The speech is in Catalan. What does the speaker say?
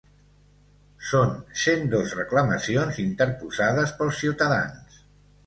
Són cent dos reclamacions interposades pels ciutadans.